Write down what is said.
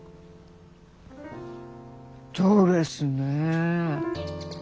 ドレスねぇ。